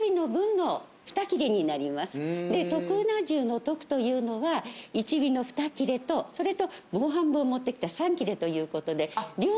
で特うな重の「特」というのは１尾の２切れとそれともう半分を持ってきた３切れということで量の違い。